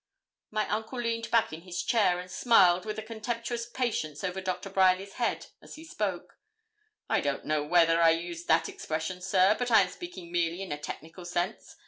My uncle leaned back in his chair, and smiled with a contemptuous patience over Doctor Bryerly's head, as he spoke. 'I don't know whether I used that expression, sir, but I am speaking merely in a technical sense.